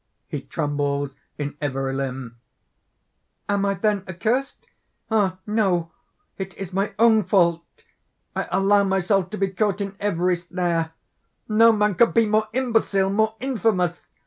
(He trembles in every limb.) "Am I, then, accursed? Ah! no; it is my own fault! I allow myself to be caught in every snare! No man could be more imbecile, more infamous!